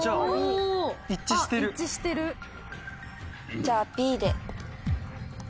じゃあＢで。